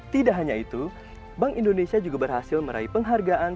tidak hanya itu bank indonesia juga berhasil meraih penghargaan